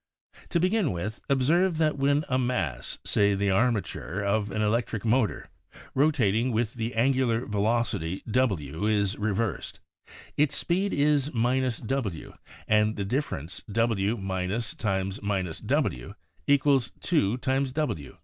To begin with, observe that when a mass, say the armature of an elec tric motor, rotating with the angular velocity <>>, is reversed, its speed is — w and the difference w —(— o. )= 2".